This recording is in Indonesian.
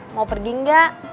mau pergi gak